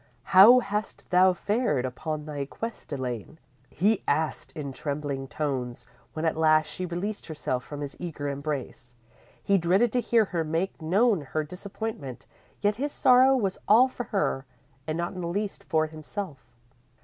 _ _"How hast thou fared upon thy quest, Elaine?" he asked in trembling tones, when at last she released herself from his eager embrace. He dreaded to hear her make known her disappointment, yet his sorrow was all for her, and not in the least for himself.